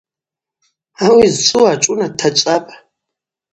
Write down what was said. Ауи зчӏву ашӏуна дтачӏвапӏ.